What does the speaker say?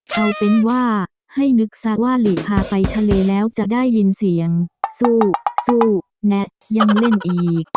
เอาเป็นว่าให้นึกซักว่าหลีพาไปทะเลแล้วจะได้ยินเสียงสู้สู้และยังเล่นอีก